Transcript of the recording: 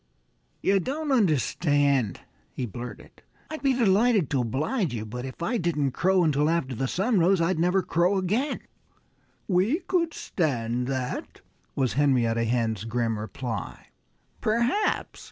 "You don't understand," he blurted. "I'd be delighted to oblige you, but if I didn't crow until after the sun rose I'd never crow again." "We could stand that," was Henrietta Hen's grim reply. "Perhaps!"